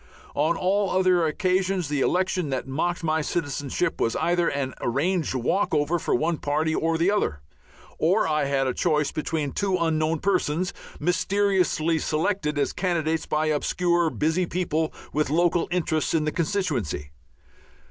On all other occasions the election that mocked my citizenship was either an arranged walk over for one party or the other, or I had a choice between two unknown persons, mysteriously selected as candidates by obscure busy people with local interests in the constituency.